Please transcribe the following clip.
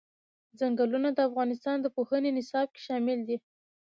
ځنګلونه د افغانستان د پوهنې نصاب کې شامل دي.